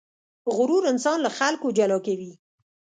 غرور انسان له خلکو جلا کوي.